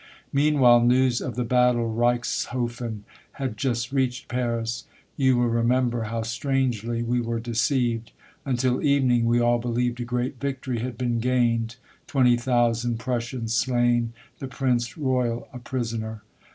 Meanwhile news of the battle Reichshoffen had just reached Paris. You will remember how strangely we were deceived. Until evening we all believed a great victory had been gained, twenty thousand Prussians slain, the prince royal a prisoner.